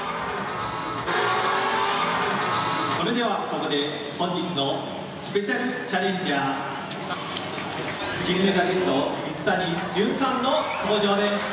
それではここで本日のスペシャルチャレンジャー金メダリスト水谷隼さんの登場です。